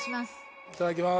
いただきます！